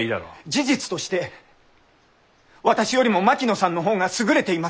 事実として私よりも槙野さんの方が優れています。